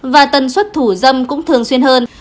và tần suốt thủ dâm cũng thường xuyên hơn